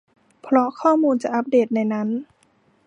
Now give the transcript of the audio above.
เพราะข้อมูลจะอัพเดทในนั้น